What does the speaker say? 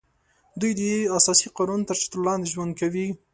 دوی د اساسي قانون تر چتر لاندې ژوند کوي